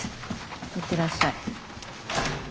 行ってらっしゃい。